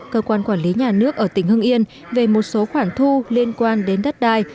cơ quan quản lý nhà nước ở tỉnh hưng yên về một số khoản thu liên quan đến đất đai